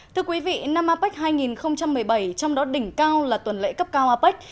thưa quý vị năm apec hai nghìn một mươi bảy trong đó đỉnh cao là tuần lễ cấp cao apec